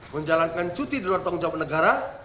menjalankan cuti di luar tanggung jawab negara